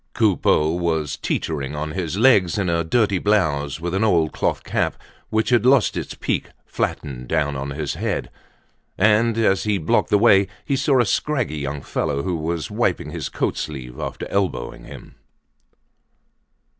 Coupeau was teetering on his legs, in a dirty blouse, with an old cloth cap which had lost its peak flattened down on his head. And as he blocked the way, he saw a scraggy young fellow who was wiping his coat sleeve after elbowing him.